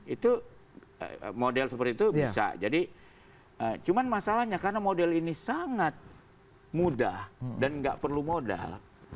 itu model seperti itu bisa jadi cuma masalahnya karena model ini sangat mudah dan nggak perlu modal